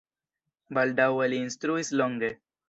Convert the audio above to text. Baldaŭe li instruis longe.